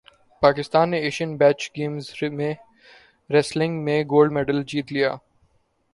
پاکستان نےایشئین beach games wrestling میں gold medal جیت لیا